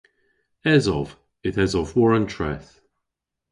Esov. Yth esov war an treth.